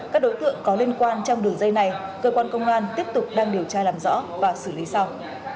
các đối tượng có liên quan trong đường dây này cơ quan công an tiếp tục đang điều tra làm rõ và xử lý sau